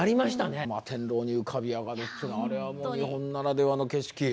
摩天楼に浮かび上がるっていうのはあれはもう日本ならではの景色。